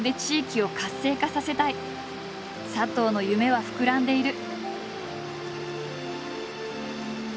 佐藤の夢は膨らんでいる。